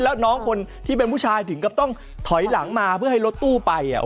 แล้วน้องคนที่เป็นผู้ชายถึงกับต้องถอยหลังมาเพื่อให้รถตู้ไปอ่ะ